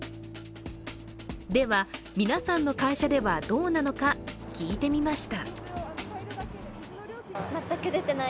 では、皆さんの会社ではどうなのか聞いてみました。